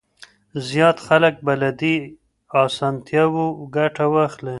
زيات خلک به له دې اسانتياوو ګټه واخلي.